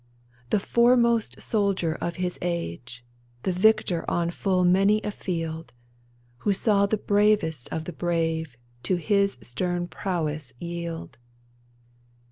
" The foremost soldier of his age. The victor on full many a field — Who saw the bravest of the brave To his stern prowess yield."